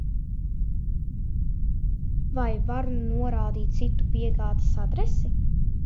Vai varu norādīt citu piegādes adresi?